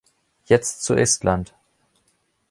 Jetzt zu Estland.